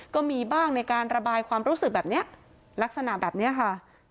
ก็มีบ้างในการระบายความรู้สึกแบบนี้ลักษณะแบบนี้ค่ะ